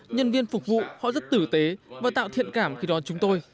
nhân viên phục vụ họ rất tử tế và tạo thiện cảm khi đón chúng tôi